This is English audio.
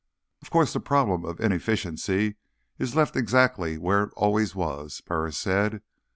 "Of course, the problem of inefficiency is left exactly where it always was," Burris said.